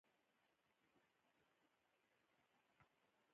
بیا در نه دا نور نقل کوي!